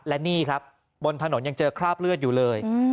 และนี่ครับบนถนนยังเจอคราบเลือดอยู่เลย